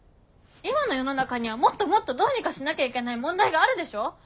今の世の中にはもっともっとどうにかしなきゃいけない問題があるでしょ！